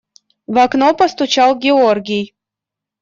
В окно постучал Георгий.